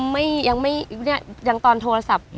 มึมยังตอนโทรศัพท์